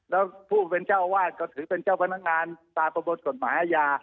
แล้วผู้เป็นเจ้าอาวาสก็ถือเป็นเจ้าพนักงานตามประบวนกฎหมายอาญา